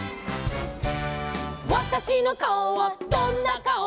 「わたしのかおはどんなかお」